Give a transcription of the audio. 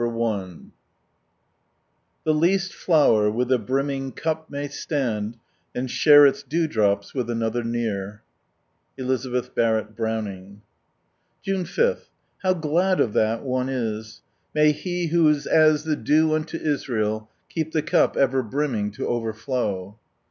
1 J" " Tht least fievxr wilk a brimming cup may slai'd And shart its draidrtps with anothrr mar." EU7.ABETK Barrett Browning. [.— How glad of that one is ! May He who is as the dew imto Israel, keep the cup ever brimming to overflow